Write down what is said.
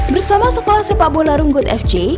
bersama sekolah sepak bola runggut fj